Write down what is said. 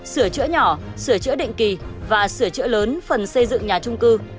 sửa chữa nhỏ sửa chữa định kỳ và sửa chữa lớn phần xây dựng nhà trung cư